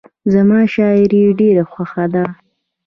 زما شاعري ډېره خوښه ده.